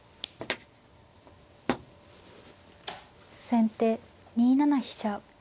先手２七飛車。